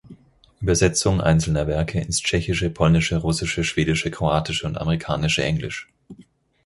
Übersetzung einzelner Werke ins Tschechische, Polnische, Russische, Schwedische, Kroatische und amerikanische Englisch.